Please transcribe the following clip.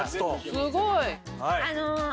すごい！